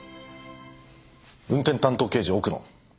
運転担当刑事奥野。